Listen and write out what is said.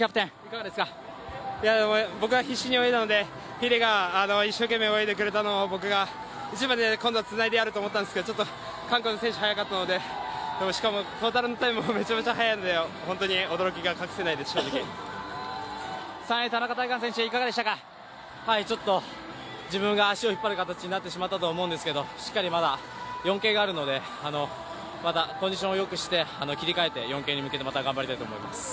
僕は必死に泳いだので、秀が一生懸命泳いでくれたので僕が一番で今度はつないでやると思ったんですが、韓国の選手、速かったので、しかもトータルのタイムめちゃめちゃ速いのでちょっと自分が足を引っ張る形になってしまったと思うんですけどしっかりまだ４継があるのでコンディションをよくして、切り替えて、４継に向けて頑張りたいと思います。